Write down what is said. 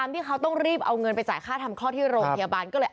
ที่เขาต้องรีบเอาเงินไปจ่ายค่าทำคลอดที่โรงพยาบาลก็เลย